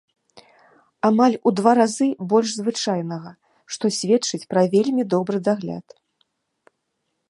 Амаль у два разы больш звычайнага, што сведчыць пра вельмі добры дагляд.